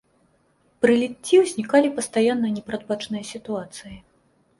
Пры ліцці ўзнікалі пастаянна непрадбачаныя сітуацыі.